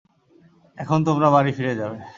এখন তোমরা বাড়ি ফিরে যাবে।